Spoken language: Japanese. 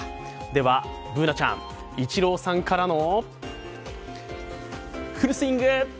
ではＢｏｏｎａちゃん、イチローさんからのフルスイング！